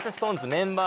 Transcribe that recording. メンバー